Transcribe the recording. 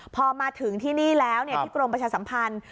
พอมาถึงที่นี่แล้วที่กรมประชาสัมพันธ์